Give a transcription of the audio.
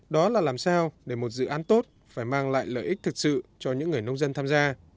đó là làm sao để một dự án tốt phải mang lại lợi ích thực sự cho những người nông dân tham gia